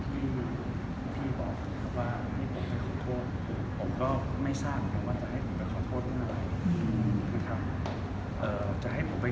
ผมก็ไม่ทราบว่าจะให้ผมไปเคลียร์เรื่องอะไรนะครับ